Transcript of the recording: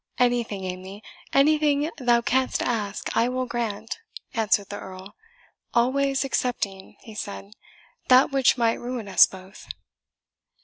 "Anything, Amy, anything thou canst ask I will grant," answered the Earl "always excepting," he said, "that which might ruin us both."